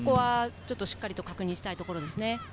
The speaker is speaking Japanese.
しっかり確認したいところですね。